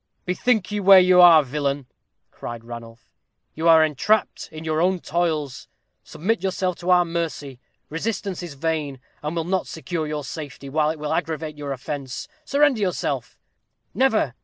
"Bethink you where you are, villain!" cried Ranulph; "you are entrapped in your own toils. Submit yourself to our mercy resistance is vain, and will not secure your safety, while it will aggravate your offence. Surrender yourself " "Never!"